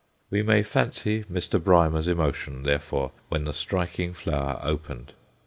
We may fancy Mr. Brymer's emotion, therefore, when the striking flower opened.